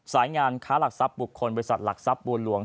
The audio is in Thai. สายงานค้าหลักทรัพย์บุคคลบริษัทหลักทรัพย์บัวหลวง